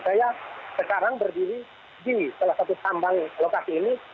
saya sekarang berdiri di salah satu tambang lokasi ini